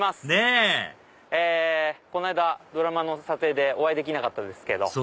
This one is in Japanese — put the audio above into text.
ねぇこの間ドラマの撮影でお会いできなかったですけど。